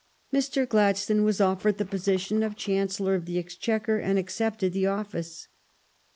Mr. Gladstone was offered the position of Chancellor of the Exchequer, and accepted the office.